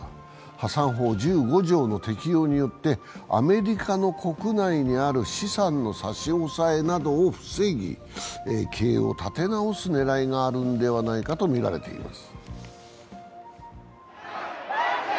破産法１５条の適用によって、アメリカの国内にある資産の差し押さえなどを防ぎ、経営を立て直す狙いがあるのではないかとみられています。